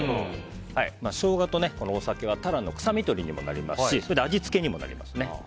ショウガとお酒はタラの臭みとりにもなりますし味付けにもなりますね。